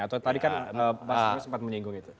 atau tadi kan pak ferry sempat menyinggung itu